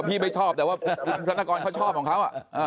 ไม่ชอบแต่ว่าคุณธนกรเขาชอบของเขา